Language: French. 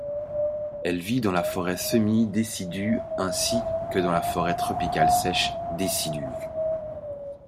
Elle vit dans la forêt semi-décidue ainsi que dans la forêt tropicale sèche décidue.